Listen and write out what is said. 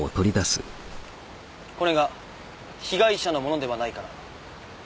これが被害者のものではないから。